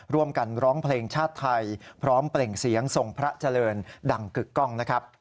ร่วมกันร้องเพลงชาติไทยพร้อมเปล่งเสียงทรงพระเจริญดังกึกกล้อง